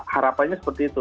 harapannya seperti itu